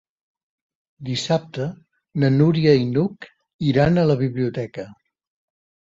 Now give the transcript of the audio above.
Dissabte na Núria i n'Hug iran a la biblioteca.